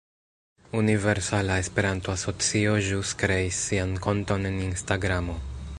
Universala Esperanto-Asocio ĵus kreis sian konton en Instagramo.